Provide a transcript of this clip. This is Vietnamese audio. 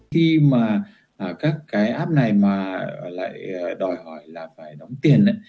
khi mà các cái app này mà lại đòi hỏi là phải đóng tiền